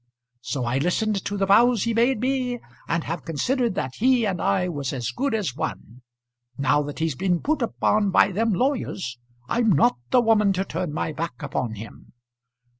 So I listened to the vows he made me, and have considered that he and I was as good as one. Now that he's been put upon by them lawyers, I'm not the woman to turn my back upon him."